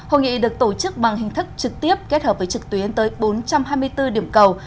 hội nghị được tổ chức bằng hình thức trực tiếp kết hợp với trực tuyến tới bốn trăm hai mươi bốn điểm cầu